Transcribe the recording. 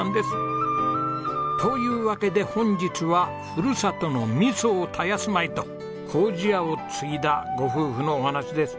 というわけで本日はふるさとの味噌を絶やすまいと糀屋を継いだご夫婦のお話です。